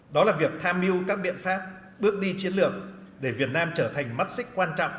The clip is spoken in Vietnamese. đó là việc tham mưu các biện pháp bước đi chiến lược để việt nam trở thành mắt xích quan trọng